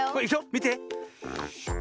みて。